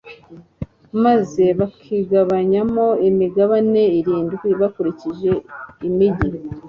maze bakigabanyamo imigabane irindwi bakurikije imigi